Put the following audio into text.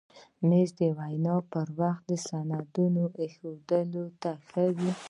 مېز د وینا پر وخت اسنادو ایښودلو ته ښه وي.